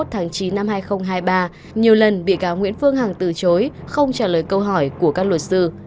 hai mươi tháng chín năm hai nghìn hai mươi ba nhiều lần bị cáo nguyễn phương hằng từ chối không trả lời câu hỏi của các luật sư